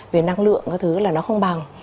về năng lượng các thứ là nó không bằng